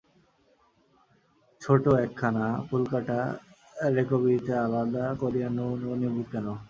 ছোট একখানা ফুলকাটা রেকবিতে আলাদা করিয়া নুন ও নেবু কেন?